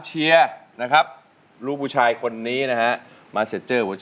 เชียร์นะครับรูปผู้ชายคนนี้นะฮะมาเซ็ทเจอร์